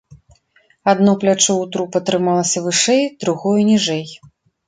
Адно плячо ў трупа трымалася вышэй, другое ніжэй.